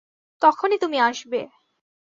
তখনই তুমি আসবে।